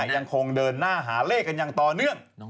ยังคงเดินหน้าหาเลขกันอย่างต่อเนื่อง